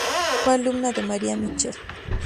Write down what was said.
Fue alumna de Maria Mitchell.